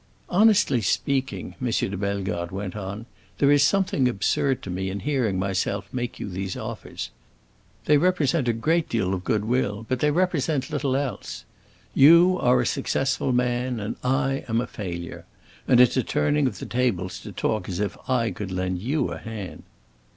"Honestly speaking," M. de Bellegarde went on, "there is something absurd to me in hearing myself make you these offers. They represent a great deal of goodwill, but they represent little else. You are a successful man and I am a failure, and it's a turning of the tables to talk as if I could lend you a hand."